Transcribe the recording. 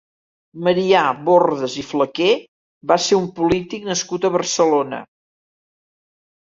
Marià Bordas i Flaquer va ser un polític nascut a Barcelona.